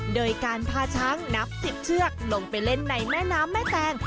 โดยการพาช้างนับ๑๐เชือกลงไปเล่นในแม่น้ำแม่แตง